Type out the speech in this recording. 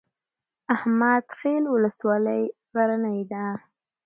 احمد خیل ولسوالۍ غرنۍ ده؟